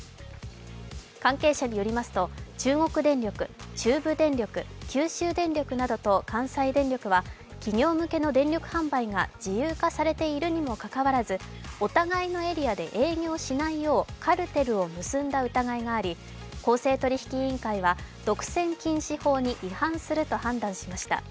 関係者によりますと中国電力、中部電力、九州電力などと関西電力は企業向けの電力販売が自由化されているにもかかわらず、お互いのエリアで営業しないようカルテルを結んだ疑いがあり公正取引委員会は独占禁止法に違反すると判断しました。